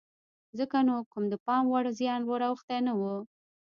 ځکه نو کوم د پام وړ زیان ور اوښتی نه و.